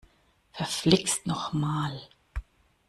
Verflixt noch mal!